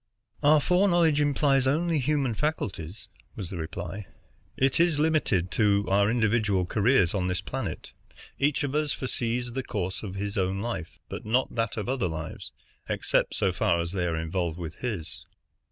"Our foreknowledge implies only human faculties," was the reply. "It is limited to our individual careers on this planet. Each of us foresees the course of his own life, but not that of other lives, except so far as they are involved with his."